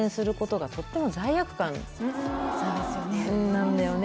なんだよね